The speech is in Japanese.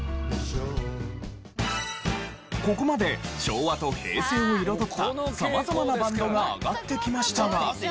ここまで昭和と平成を彩った様々なバンドが挙がってきましたが。